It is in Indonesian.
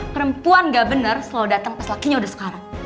perempuan gak bener selalu datang pas lakinya udah sekarang